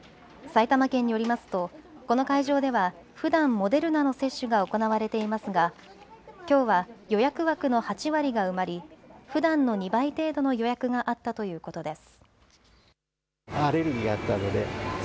埼玉県によりますとこの会場ではふだんモデルナの接種が行われていますが、きょうは予約枠の８割が埋まりふだんの２倍程度の予約があったということです。